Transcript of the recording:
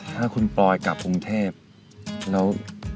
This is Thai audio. ถ้าคุณปลอยกลับกรุงเทพแล้ว